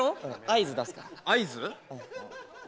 合図出すから合図？